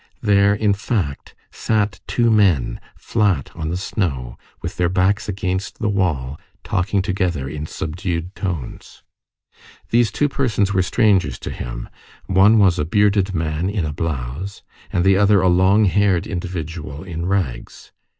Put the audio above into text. There, in fact, sat two men, flat on the snow, with their backs against the wall, talking together in subdued tones. These two persons were strangers to him; one was a bearded man in a blouse, and the other a long haired individual in rags.